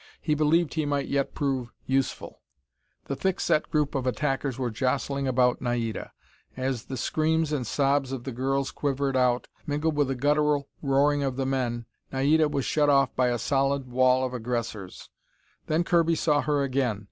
He believed he might yet prove useful. The thickest group of attackers were jostling about Naida. As the screams and sobs of the girls quivered out, mingled with the guttural roaring of the men, Naida was shut off by a solid wall of aggressors. Then Kirby saw her again.